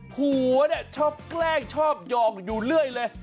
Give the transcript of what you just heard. ผัวเนี่ยชอบแกล้งชอบหยอกอยู่เรื่อยเลย